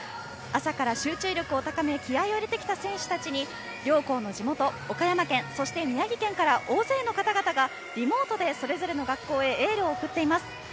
朝から集中力を高め気合いを入れてきた選手たちに両校の地元、岡山県そして、宮城県から大勢の方々がリモートでそれぞれの学校でエールを送っています。